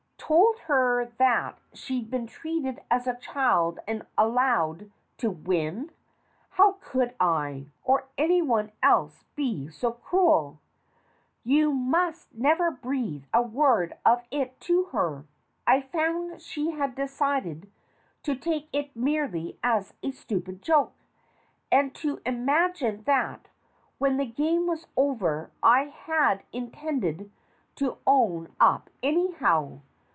Told her that she'd been treated as a child and allowed to win? How could I, or anyone else, be so cruel? You must never breathe a \vord of it to her. I found she had decided to take it merely as a stupid joke, and to imagine that when the game was over I had intended to own up, anyhow.